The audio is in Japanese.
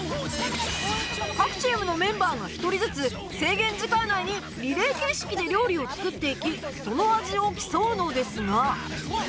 各チームのメンバーが１人ずつ制限時間内にリレー形式で料理を作っていきその味を競うのですが